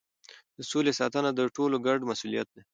د سولې ساتنه د ټولو ګډ مسؤلیت دی.